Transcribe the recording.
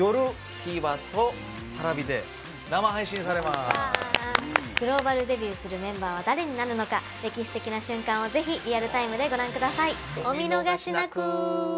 ＴＶｅｒとＰａｒａｖｉで生配信されますわグローバルデビューするメンバーは誰になるのか歴史的な瞬間を是非リアルタイムでご覧ください